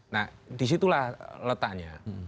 nah disitulah letaknya